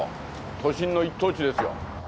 都心の一等地ですよ。